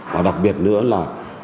và đặc biệt nữa